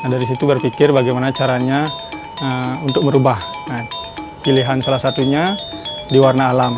dari situ berpikir bagaimana caranya untuk merubah pilihan salah satunya di warna alam